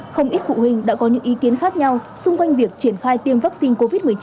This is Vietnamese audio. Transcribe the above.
không ít phụ huynh đã có những ý kiến khác nhau xung quanh việc triển khai tiêm vaccine covid một mươi chín